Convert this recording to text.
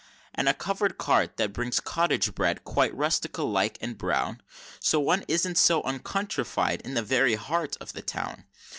And a covered cart that brings Cottage Bread quite rustical like and brown? So one isn't so very uncountrified in the very heart of the town.